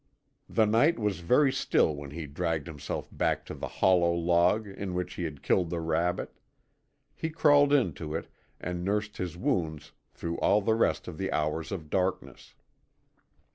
The night was very still when he dragged himself back to the hollow log in which he had killed the rabbit. He crawled into it, and nursed his wounds through all the rest of the hours of darkness.